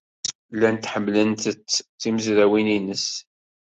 Llant ḥemmlent-t tmezrawin-nnes.